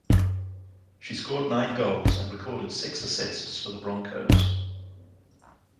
She scored nine goals and recorded six assists for the Broncos.